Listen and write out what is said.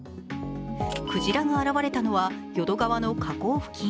クジラが現れたのは淀川の河口付近。